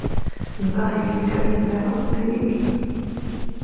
Mpaayo ebika by’engalo bibiri.